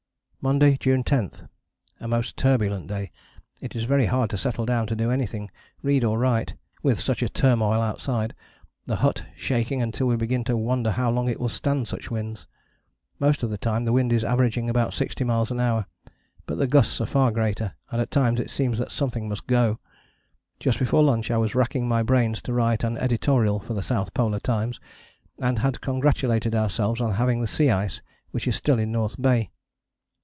"Monday, June 10. A most turbulent day. It is very hard to settle down to do anything, read or write, with such a turmoil outside, the hut shaking until we begin to wonder how long it will stand such winds. Most of the time the wind is averaging about sixty miles an hour, but the gusts are far greater, and at times it seems that something must go. Just before lunch I was racking my brains to write an Editorial for the South Polar Times, and had congratulated ourselves on having the sea ice which is still in North Bay.